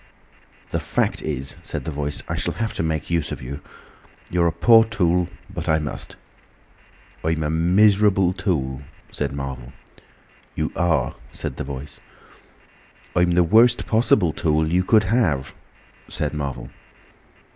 "The fact is," said the Voice, "I shall have to make use of you.... You're a poor tool, but I must." "I'm a miserable tool," said Marvel. "You are," said the Voice. "I'm the worst possible tool you could have," said Marvel.